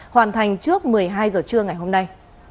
hoàn thành trước một mươi hai h trưa ngày hôm nay